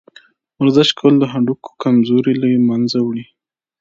ورزش کول د هډوکو کمزوري له منځه وړي.